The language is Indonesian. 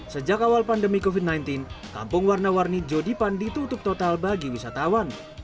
sejak awal pandemi covid sembilan belas kampung warna warni jodipan ditutup total bagi wisatawan